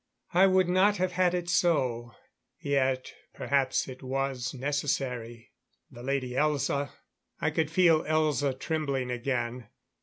I would not have had it so. Yet perhaps it was necessary. The Lady Elza " I could feel Elza trembling again.